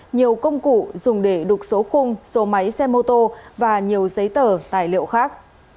nhiều công cụ dùng để đục số khung số máy xe mô tô và nhiều giấy tờ tài liệu khác